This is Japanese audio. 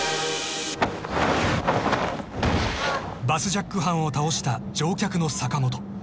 ［バスジャック犯を倒した乗客の坂本。